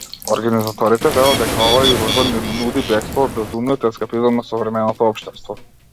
Организаторите велат дека оваа изложба нуди бегство од безумниот ескапизам на современото општество.